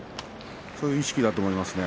そういう意識だと思いますね。